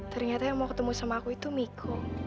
ternyata yang mau ketemu sama aku itu miko